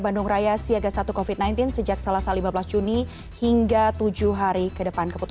kang emil kondisinya sehat ya kang ya